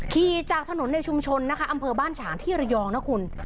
ขี่จากถนนในชุมชนนะคะอำเภอบ้านฉางที่ระยองนะคุณ